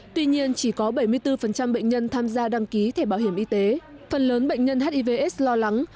tuy nhiên chỉ có bảy mươi bốn bệnh nhân tham gia đăng ký thẻ bảo hiểm y tế phần lớn bệnh nhân hivs lo lắng